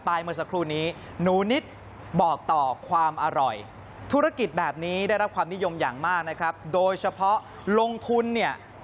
ปลายเมื่อสักครู่นี้